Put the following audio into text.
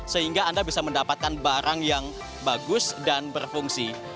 sehingga anda bisa mendapatkan barang yang bagus dan berfungsi